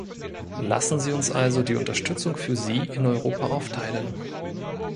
Lassen Sie uns also die Unterstützung für sie in Europa aufteilen.